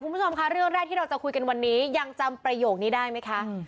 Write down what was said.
คุณผู้ชมค่ะเรื่องแรกที่เราจะคุยกันวันนี้ยังจำประโยคนี้ได้ไหมคะ